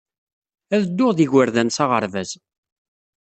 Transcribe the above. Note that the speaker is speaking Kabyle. Ad dduɣ ed yigerdan s aɣerbaz.